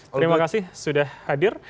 terima kasih sudah hadir